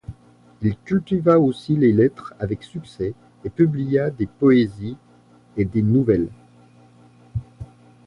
Il cultiva aussi les lettres avec succès et publia des poésies et des nouvelles.